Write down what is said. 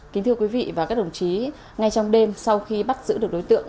kính thưa quý vị và các đồng chí ngay trong đêm sau khi bắt giữ được đối tượng